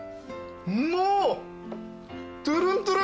もう。